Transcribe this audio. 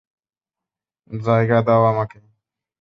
জায়গা দাও আমাকে।